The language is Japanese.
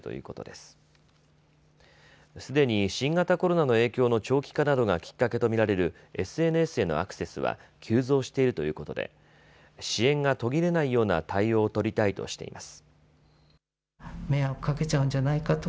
すでに新型コロナの影響の長期化などがきっかけと見られるＳＮＳへのアクセスは急増しているということで支援が途切れないような対応を取りたいとしています。